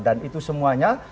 dan itu semuanya